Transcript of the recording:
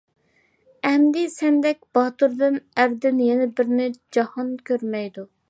ئەمدى سەندەك باتۇردىن ئەردىن يەنە بىرىنى جاھان كۆرمەيدۇ.